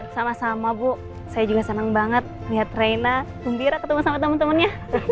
sama sama bu saya juga senang banget lihat rena pembira ketemu sama temen temennya